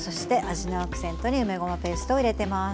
味のアクセントに梅ごまペーストを入れてます。